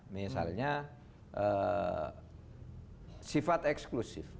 misalnya sifat eksklusif